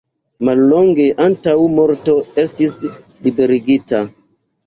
Mallonge antaŭ morto estis liberigita.